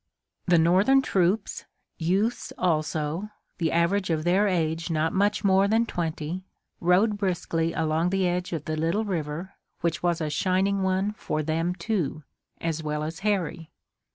The Northern troop, youths also, the average of their age not much more than twenty, rode briskly along the edge of the little river, which was a shining one for them, too, as well as Harry.